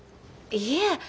いえ。